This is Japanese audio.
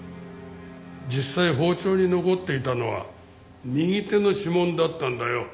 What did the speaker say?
実際包丁に残っていたのは右手の指紋だったんだよ。